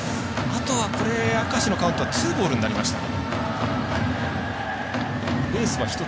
あとは、これ明石のカウントはツーボールになりました。